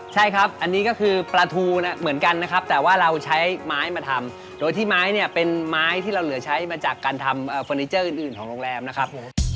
ใช่ครับอันนี้ก็คือปลาทูเหมือนกันนะครับแต่ว่าเราใช้ไม้มาทำโดยที่ไม้เนี่ยเป็นไม้ที่เราเหลือใช้มาจากการทำเฟอร์นิเจอร์อื่นของโรงแรมนะครับผม